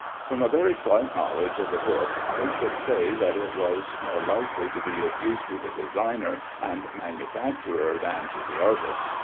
From a very slight knowledge of the book I should say that it was more likely to be of use to the designer and manufacturer than to the artist.